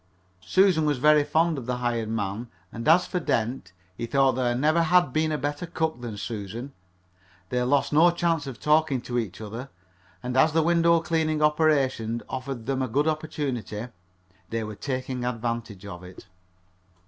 Susan was very fond of the hired man, and as for Dent, he thought there never had been a better cook than Susan. They lost no chance of talking to each other, and as the window cleaning operations afforded them a good opportunity, they were taking advantage of it.